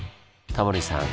タモリさん